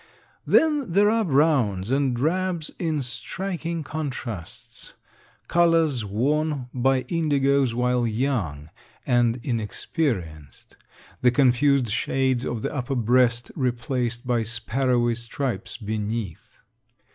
Then there are browns and drabs in striking contrasts colors worn by indigoes while young and inexperienced, the confused shades of the upper breast replaced by sparrowy stripes beneath.